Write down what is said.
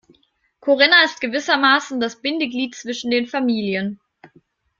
Corinna ist gewissermaßen das Bindeglied zwischen den Familien.